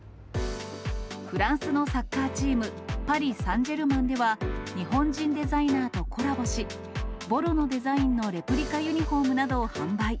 フランスのサッカーチーム、パリサンジェルマンでは、日本人デザイナーとコラボし、ボロのデザインのレプリカユニホームなどを販売。